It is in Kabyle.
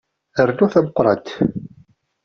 Rnu tameqqrant.